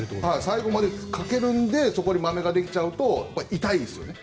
最後までかけるのでそこにまめができちゃうと痛いですよね。